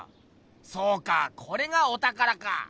そうかこれがお宝か！